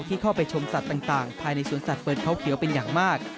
ที่เข้าไปชมสัตว์ต่างภายในสวนสัตว์เปิดเขาเขียวเป็นอย่างมาก